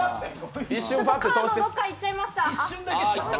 カードどっか行っちゃいました。